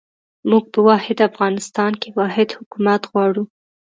موږ په واحد افغانستان کې واحد حکومت غواړو.